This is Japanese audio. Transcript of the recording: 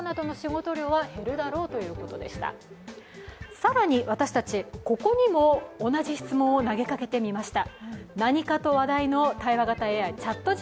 更に、私たち、ここにも同じ質問を投げかけてみました。